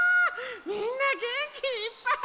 みんなげんきいっぱい！